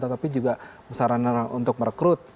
tetapi juga sarana untuk merekrut